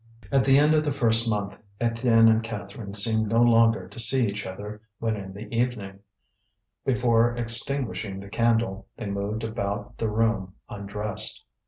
At the end of the first month, Étienne and Catherine seemed no longer to see each other when in the evening, before extinguishing the candle, they moved about the room, undressed.